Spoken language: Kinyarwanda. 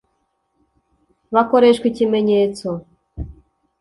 bakoreshwa ikimenyetso .